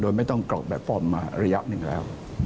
โดยไม่ต้องกรอกแบบฟอร์มมาระยะหนึ่งแล้ว